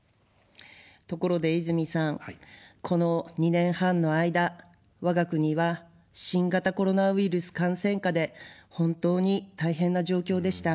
ところで泉さん、この２年半の間、我が国は新型コロナウイルス感染禍で本当に大変な状況でした。